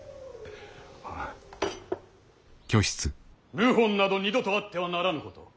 謀反など二度とあってはならぬこと。